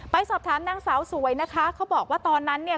ไปสอบถามนางสาวสวยนะคะเขาบอกว่าตอนนั้นเนี่ย